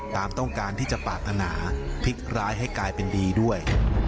ตามต้องการที่จะปรารถนาพลิกร้ายให้กลายเป็นดีด้วย